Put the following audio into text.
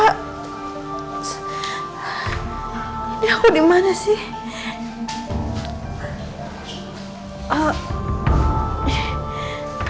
ini aku dimana sih